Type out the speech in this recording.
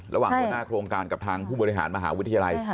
ระหว่างหัวหน้าโครงการกับทางผู้บริหารมหาวิทยาลัย